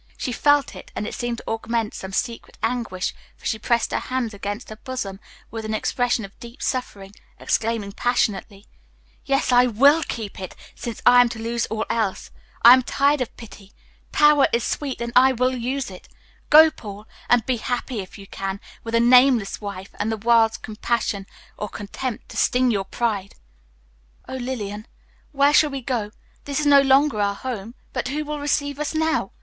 She felt it, and it seemed to augment some secret anguish, for she pressed her hands against her bosom with an expression of deep suffering, exclaiming passionately, "Yes, I will keep it, since I am to lose all else. I am tired of pity. Power is sweet, and I will use it. Go, Paul, and be happy if you can, with a nameless wife, and the world's compassion or contempt to sting your pride." "Oh, Lillian, where shall we go? This is no longer our home, but who will receive us now?"